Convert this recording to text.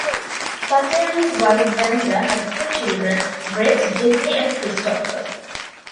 Sutter and his wife Wanda have three children, Brett, Jessie and Christopher.